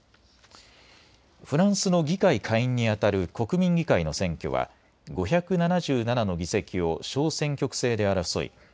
フランスの議会下院にあたる国民議会の選挙は５７７の議席を小選挙区制で争い